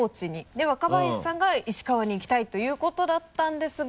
若林さんが石川に行きたいということだったんですが。